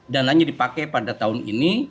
dananya dipakai pada tahun ini